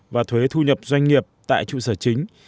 và thuế thu nhập doanh nghiệp tại trụ sở chính